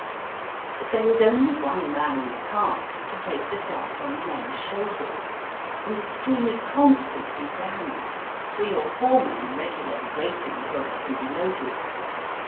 But there is only one man on the cart to place the sacks on the men's shoulders, and the stream is constantly dammed, three or four men regularly waiting till they can be loaded.